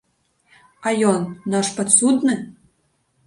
А ён, наш падсудны?